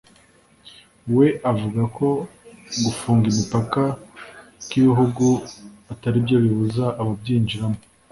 we avuga ko gufunga imipaka kw’ibihugu atari byo bibuza ababyinjiramo